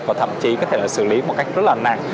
và thậm chí có thể là xử lý một cách rất là nặng